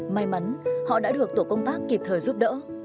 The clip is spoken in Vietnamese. may mắn họ đã được tổ công tác kịp thời giúp đỡ